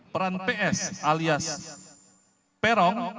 peran ps alias peron